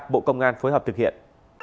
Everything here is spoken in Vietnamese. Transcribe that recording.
bộ công an phối hợp thực hiện